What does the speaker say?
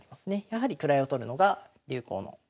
やはり位を取るのが流行の形ですよね。